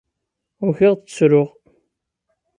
Ukiɣ-d ttruɣ.